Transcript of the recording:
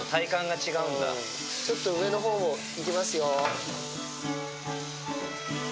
ちょっと上のほう、いきますよ。